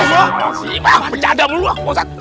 wah wajib wah bercanda mulu pak ustadz